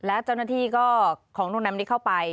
แล้วเจ้าหน้าที่ก็ของดูนำนี้เข้าไป